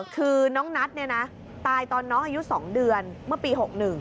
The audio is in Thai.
คือน้องนัทตายตอนน้องอายุ๒เดือนเมื่อปี๖๑